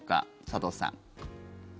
佐藤さん。